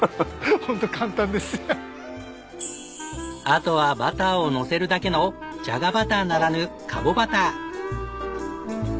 あとはバターをのせるだけのじゃがバターならぬカボバター。